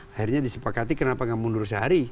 akhirnya disepakati kenapa nggak mundur sehari